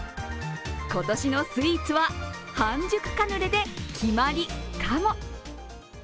今年のスイーツは半熟カヌレで決まりかも。